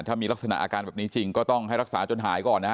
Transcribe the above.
ถ้ามีลักษณะอาการแบบนี้จริงก็ต้องให้รักษาจนหายก่อนนะฮะ